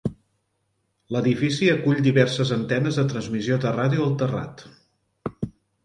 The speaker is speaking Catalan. L'edifici acull diverses antenes de transmissió de ràdio al terrat.